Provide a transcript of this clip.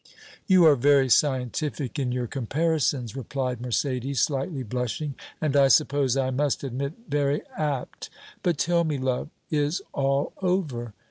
"You are very scientific in your comparisons," replied Mercédès, slightly blushing, "and I suppose I must admit, very apt. But tell me, love, is all over?